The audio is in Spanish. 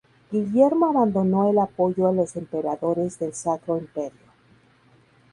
Guillermo abandonó el apoyo a los emperadores del Sacro Imperio.